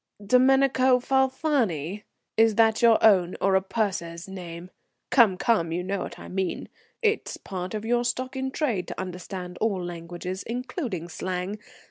"Domenico Falfani? Is that your own or a 'purser's' name? Come, you know what I mean. It's part of your stock in trade to understand all languages, including slang.